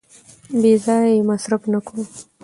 بې ځایه یې مصرف نه کړو.